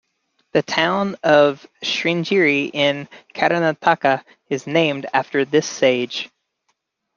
The town of Sringeri in Karnataka is named after this sage.